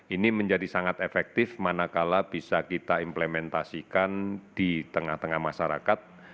ini menjadi sangat efektif manakala bisa kita implementasikan di tengah tengah masyarakat